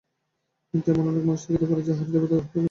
কিন্তু এমন অনেক মানুষ থাকিতে পারেন, যাঁহারা দেবতা হইতেও অনিচ্ছুক।